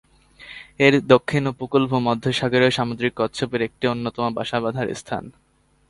এর দক্ষিণ উপকূল ভূমধ্যসাগরীয় সামুদ্রিক কচ্ছপের একটি অন্যতম বাসা বাঁধার স্থান।